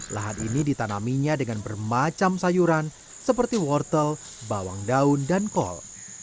lahan ini ditanaminya dengan bermacam sayuran seperti wortel bawang daun dan kol